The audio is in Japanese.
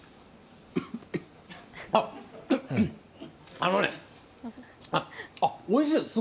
あのね、おいしいです。